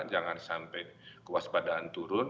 jangan sampai kewaspadaan turun